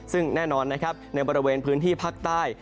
ซึ่งแน่นอนนะครับในบริเวณพื้นที่ภาคใต้